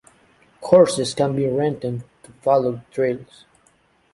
Horses can be rented to follow the trails.